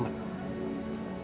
setahu aku taatu gak punya temen